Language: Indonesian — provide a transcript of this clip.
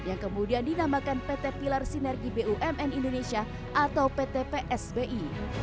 yang kemudian dinamakan pt pilar sinergi bumn indonesia atau pt psbi